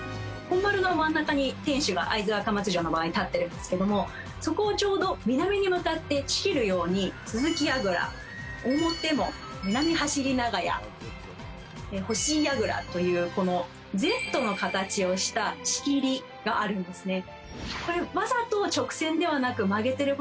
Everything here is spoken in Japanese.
本丸の真ん中に天守が会津若松城の場合建ってるんですけどもそこを、ちょうど南に向かって仕切るように続櫓、表門南走長屋、干飯櫓というＺの形をした仕切りがあるんですね。